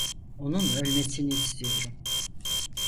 Onun ölmesini istiyorum.